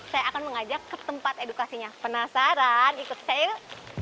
saya akan mengajak ke tempat edukasinya penasaran ikut saya yuk